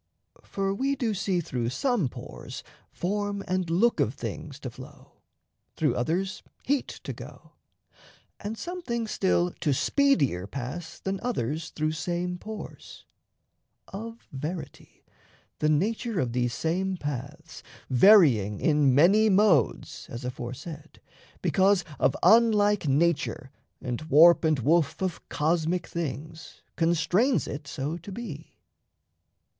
For we do see Through some pores form and look of things to flow, Through others heat to go, and some things still To speedier pass than others through same pores. Of verity, the nature of these same paths, Varying in many modes (as aforesaid) Because of unlike nature and warp and woof Of cosmic things, constrains it so to be.